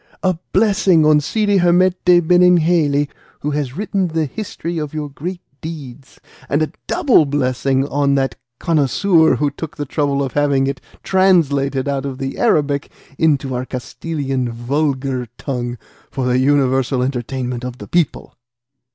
A blessing on Cide Hamete Benengeli, who has written the history of your great deeds, and a double blessing on that connoisseur who took the trouble of having it translated out of the Arabic into our Castilian vulgar tongue for the universal entertainment of the people!"